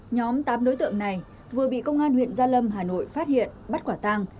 nhóm tám đối tượng này vừa bị công an huyện gia lâm hà nội phát hiện bắt quả tang